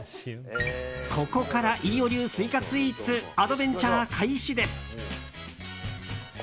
ここから、飯尾流スイカスーツアドベンチャー開始です。